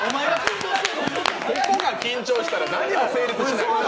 ここが緊張したら、何も成立しない。